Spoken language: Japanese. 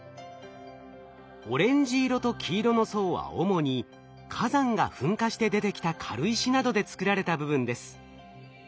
オレンジ色と黄色の層は主に火山が噴火して出てきた軽石などで作られた部分です。